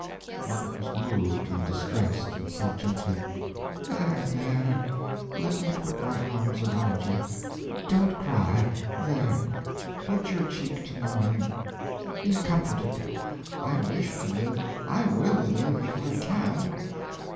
Margaret was moved and distressed, and said, gently: "There there let me put my arms around you. Don't cry. There put your cheek to mine. Be comforted. I wish to live. I will live if I can.